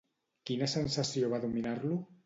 Quina sensació va dominar-lo?